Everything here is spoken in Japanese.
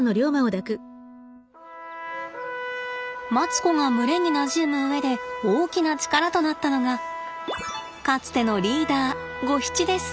マツコが群れになじむ上で大きな力となったのがかつてのリーダーゴヒチです。